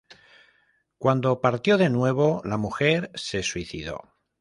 Cuando partió de nuevo, la mujer se suicidó.